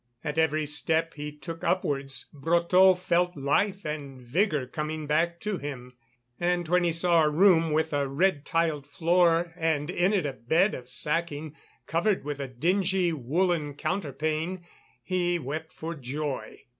At every step he took upwards, Brotteaux felt life and vigour coming back to him, and when he saw a room with a red tiled floor and in it a bed of sacking covered with a dingy woollen counterpane, he wept for joy.